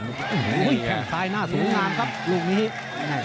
ตีนซ้ายหน้าสูงงามครับลูกนี้